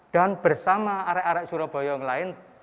dan bersama arah arah surabaya yang lain